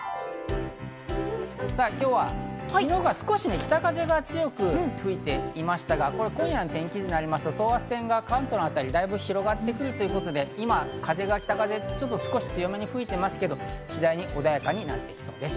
さぁ、今日は昨日が少し北風が強く吹いていましたが、今夜の天気図になりますと、等圧線が関東の辺りだいぶ広がってくるということで今、北風が強めに少し吹いていますけれども、次第に穏やかになってきそうです。